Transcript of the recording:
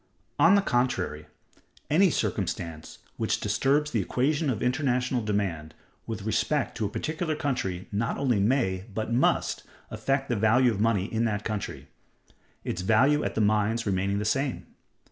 On the contrary, any circumstance which disturbs the equation of international demand with respect to a particular country not only may, but must, affect the value of money in that country—its value at the mines remaining the same.